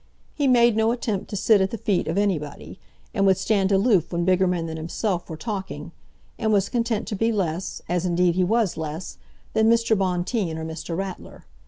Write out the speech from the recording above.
He made no attempt to sit at the feet of anybody, and would stand aloof when bigger men than himself were talking, and was content to be less, as indeed he was less, than Mr. Bonteen or Mr. Ratler.